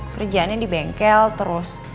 kerjaannya di bengkel terus